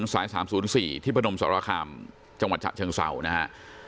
สาย๓๐๔ที่พนมสรคามจังหวัดฉะเชิงเศร้านะฮะ